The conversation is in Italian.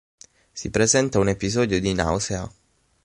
Si presenta un episodio di nausea.